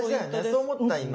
そう思った今。